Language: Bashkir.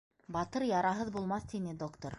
«Батыр яраһыҙ булмаҫ», — тине доктор.